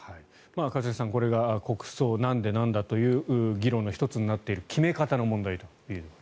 一茂さん、これが国葬なんでなんだという議論の１つになっている決め方の問題と。